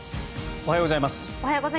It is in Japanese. おはようございます。